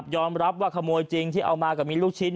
ยอมรับว่าขโมยจริงที่เอามาก็มีลูกชิ้น